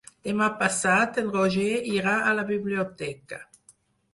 Demà passat en Roger irà a la biblioteca.